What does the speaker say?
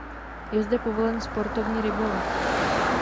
Je zde povolen sportovní rybolov.